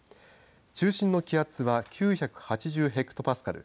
中心の気圧は９８０ヘクトパスカル。